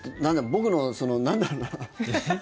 僕の、なんだろうな。